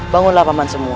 bangunlah paman semua